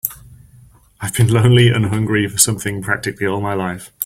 I've been lonely and hungry for something practically all my life.